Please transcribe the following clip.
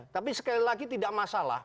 tapi sekali lagi tidak masalah